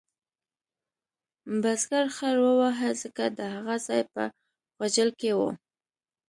بزګر خر وواهه ځکه د هغه ځای په غوجل کې و.